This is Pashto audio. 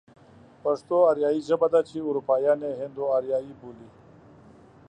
پښتو آريايي ژبه ده چې اروپايان يې هند و آريايي بولي.